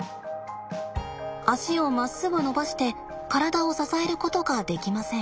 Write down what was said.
脚をまっすぐ伸ばして体を支えることができません。